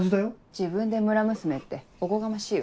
自分で村娘っておこがましいわ。